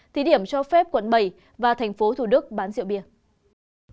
thì điểm cho phép quận bảy và tp thd bán rượu bia